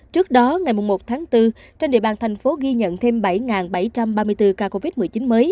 trước đó ngày một tháng bốn trên địa bàn thành phố ghi nhận thêm bảy bảy trăm ba mươi bốn ca covid một mươi chín mới